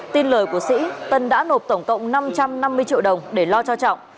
tin lời của sĩ tân đã nộp tổng cộng năm trăm năm mươi triệu đồng để lo cho trọng